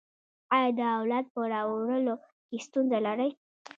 ایا د اولاد په راوړلو کې ستونزه لرئ؟